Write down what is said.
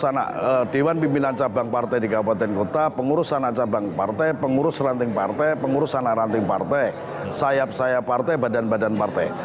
karena dewan pimpinan cabang partai di kabupaten kota pengurusan cabang partai pengurus ranting partai pengurusan ranting partai sayap sayap partai badan badan partai